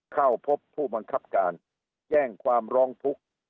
เข้าพบผู้บังคับการแจ้งความร้องทุกข์